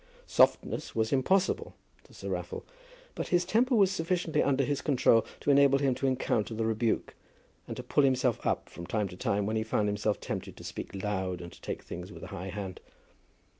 Softness was impossible to Sir Raffle; but his temper was sufficiently under his control to enable him to encounter the rebuke, and to pull himself up from time to time when he found himself tempted to speak loud and to take things with a high hand.